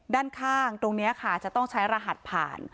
ด้านข้างตรงนี้ค่ะจะต้องใช้รหัสผ่าน